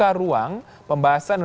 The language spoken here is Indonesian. pembahasan undang undang pemasyarakatan